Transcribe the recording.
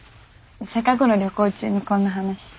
せっかくの旅行中にこんな話。